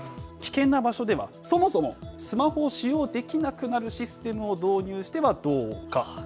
危険な場所ではそもそもスマホを使用できなくなるシステムを導入してはどうか。